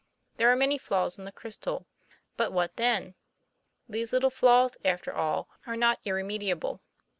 There are many flawstin the crystal. But what then? These little flaws, after all, are not irremediable.